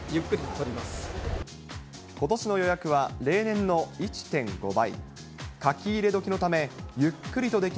ことしの予約は例年の１．５倍。